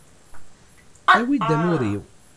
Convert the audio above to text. Awi-d amur-iw!